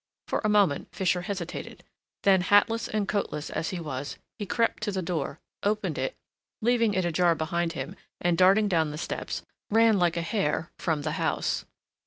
For a moment Fisher hesitated, then hatless and coatless as he was, he crept to the door, opened it, leaving it ajar behind him and darting down the steps, ran like a hare from the house.